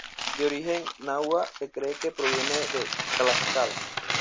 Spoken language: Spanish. De origen nahua se cree que proviene de Tlaxcala.